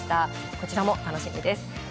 こちらも楽しみです。